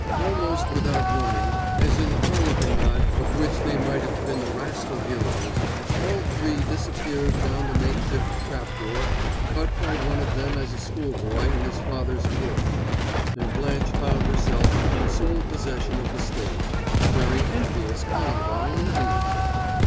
Almost without warning, as in the harlequinade of which they might have been the rascal heroes, all three disappeared down the makeshift trap door cut by one of them as a schoolboy in his father's floor; and Blanche found herself in sole possession of the stage, a very envious Columbine, indeed!